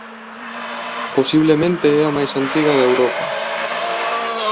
Posiblemente é a máis antiga de Europa.